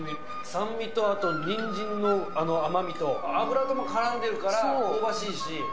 酸味とあと、にんじんの甘みと、油ともからんでるから香ばしいし。